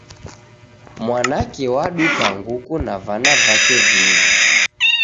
Mwanake waduka nguku na vana vake viw'i.